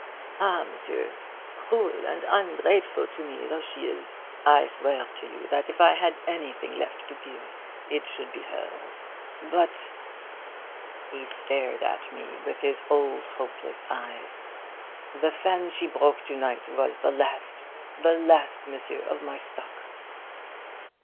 '"Ah monsieur, cruel and ungrateful to me though she is, I swear to you that if I had anything left to give, it should be hers; but," he stared at me with his old hopeless eyes, "the fan she broke to night was the last the last, monsieur of my stock."